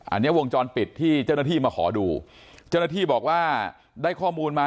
อันนี้วงจรปิดที่เจ้าหน้าที่มาขอดูเจ้าหน้าที่บอกว่าได้ข้อมูลมา